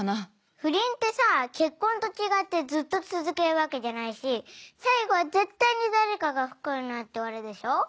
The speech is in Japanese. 不倫ってさ結婚と違ってずっと続けるわけじゃないし最後は絶対に誰かが不幸になって終わるでしょ？